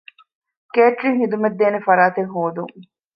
ކޭޓްރިންގ ޚިދުމަތްދޭނެ ފަރާތެއް ހޯދުން